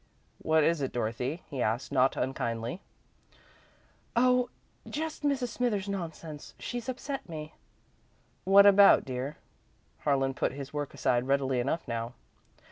"What is it, Dorothy?" he asked, not unkindly. "Oh just Mrs. Smithers's nonsense. She's upset me." "What about, dear?" Harlan put his work aside readily enough now.